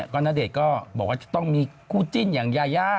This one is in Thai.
ก็ณเดชน์ก็บอกว่าจะต้องมีคู่จิ้นอย่างยายา